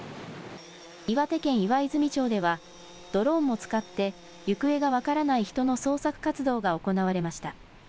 岩手県岩泉町ではドローンも使って行方が分からない人の捜索活動が行われました。